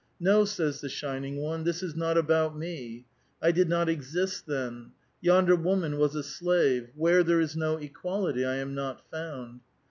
''No," says the shining one; "this is not about me; I did not exist then. Yonder woman was a slave. Where there is no equality I am not found.